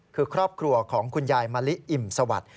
คือครอบครัวของคุณยายมะลิอิ่มสวัสดิ์